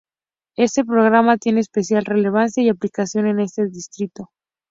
Este programa tiene especial relevancia y aplicación en este distrito.